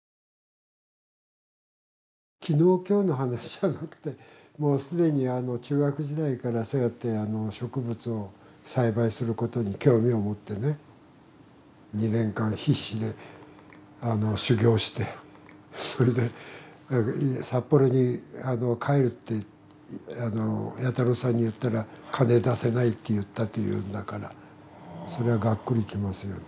昨日今日の話じゃなくてもう既に中学時代からそうやって植物を栽培することに興味を持ってね２年間必死で修業してそれで札幌に帰るって弥太郎さんに言ったら「金出せない」って言ったというんだからそれはがっくりきますよね。